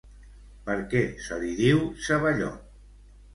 Per què se li diu Ceballot?